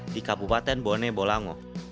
di kabupaten bone bolango